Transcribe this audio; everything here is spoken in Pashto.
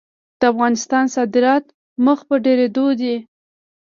د افغانستان صادرات مخ په ډیریدو دي